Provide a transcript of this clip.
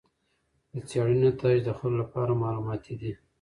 د څېړنې نتایج د خلکو لپاره معلوماتي دي.